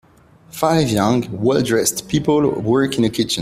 Five young, welldressed people work in a kitchen.